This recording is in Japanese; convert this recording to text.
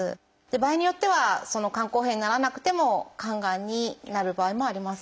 場合によってはその肝硬変にならなくても肝がんになる場合もあります。